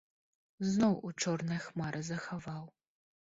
Зноў у чорныя хмары захаваў.